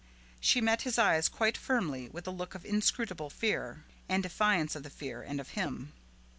She met his eyes quite firmly with a look of inscrutable fear, and defiance of the fear and of him.